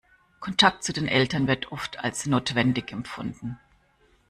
Kontakt zu den Eltern wird oft als notwendig empfunden.